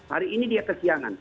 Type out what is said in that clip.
hari ini dia kesiangan